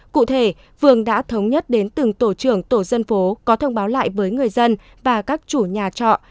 cụ thể vườn đã thống nhất đến từng tổ trưởng tổ dân phố có thông báo lại với người dân và các chủ nhà trọ